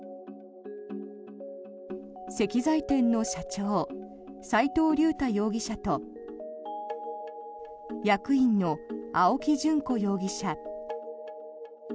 石材店の社長、齋藤竜太容疑者と役員の青木淳子容疑者。